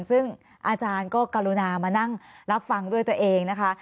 ซึ่งอาจารย์ก็กรุณามานั่งรับฟังด้วยตัวเองนะคะ